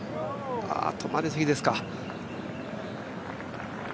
あ、止まりすぎですか。